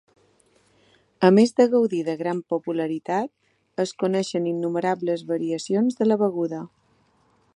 A més de gaudir de gran popularitat, es coneixen innumerables variacions de la beguda.